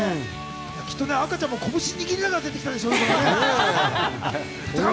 きっとね、赤ちゃんも拳握りながら出てきたでしょうね。